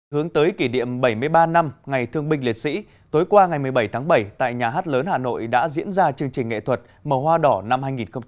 hướng tới kỷ niệm bảy mươi ba năm ngày thương binh liệt sĩ tối qua ngày một mươi bảy tháng bảy tại nhà hát lớn hà nội đã diễn ra chương trình nghệ thuật màu hoa đỏ năm hai nghìn một mươi chín